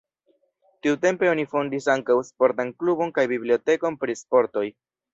Tiutempe oni fondis ankaŭ sportan klubon kaj bibliotekon pri sportoj.